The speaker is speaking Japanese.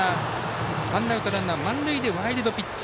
ワンアウトランナー満塁でワイルドピッチ。